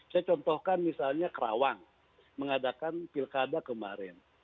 saya contohkan misalnya kerawang mengadakan pilkada kemarin